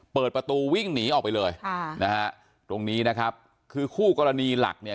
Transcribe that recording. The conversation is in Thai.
เปิดประตูวิ่งหนีออกไปเลยค่ะนะฮะตรงนี้นะครับคือคู่กรณีหลักเนี่ย